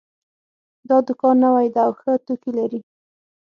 دا دوکان نوی ده او ښه توکي لري